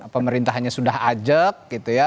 pemerintahnya sudah ajak gitu ya